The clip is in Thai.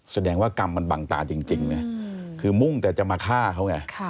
แสดงว่ากรรมมันบังตาจริงนะคือมุ่งแต่จะมาฆ่าเขาไง